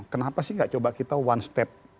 kenapa sih gak coba kita one step